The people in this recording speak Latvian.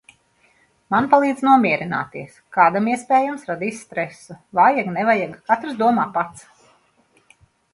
Man palīdz nomierināties, kādam iespējams radīs stresu, vajag, nevajag katrs domā pats.